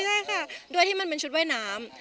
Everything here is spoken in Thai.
ใช่ค่ะด้วยที่มันเป็นชุดว่ายน้ำ